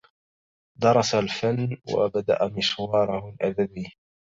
درس الفن وبدأ مشواره الأدبي